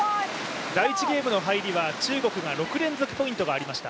第１ゲームの入りは中国が６連続ポイントがありました